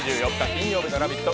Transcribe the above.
金曜日の「ラヴィット！」